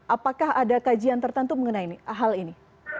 apakah ada kajian tertentu mengenai hal ini